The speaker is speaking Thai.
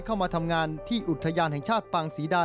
เข้ามาทำงานที่อุทยานแห่งชาติปังศรีดา